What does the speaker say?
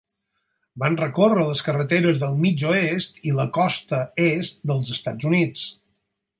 Van recórrer les carreteres del mig-oest i la costa est dels Estats Units.